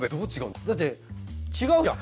だって違うじゃん。